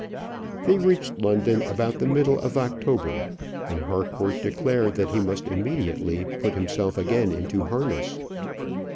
They reached London about the middle of October, and Harcourt declared that he must immediately put himself again into harness.